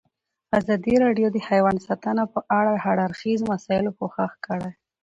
ازادي راډیو د حیوان ساتنه په اړه د هر اړخیزو مسایلو پوښښ کړی.